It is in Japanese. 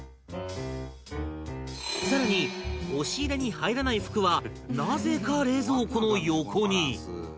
更に押し入れに入らない服はなぜか冷蔵庫の横に